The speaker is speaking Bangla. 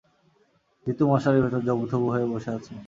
জিতু মশারির ভেতর জুবথবু হয়ে বসে আছে।